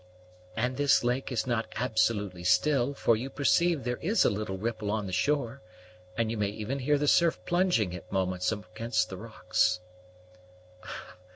"And this lake is not absolutely still, for you perceive there is a little ripple on the shore, and you may even hear the surf plunging at moments against the rocks."